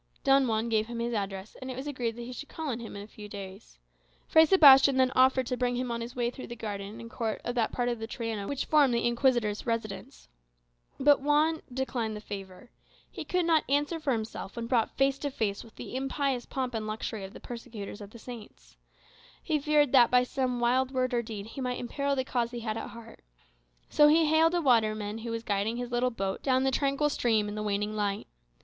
Don Juan gave him his address, and it was agreed that he should call on him in a few days. Fray Sebastian then offered to bring him on his way through the garden and court of that part of the Triana which formed the Inquisitor's residence. But Juan declined the favour. He could not answer for himself when brought face to face with the impious pomp and luxury of the persecutor of the saints. He feared that, by some wild word or deed, he might imperil the cause he had at heart. So he hailed a waterman who was guiding his little boat down the tranquil stream in the waning light.